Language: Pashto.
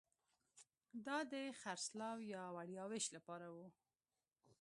دا د خرڅلاو یا وړیا وېش لپاره وو